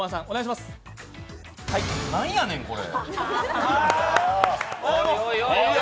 何やねん、これ。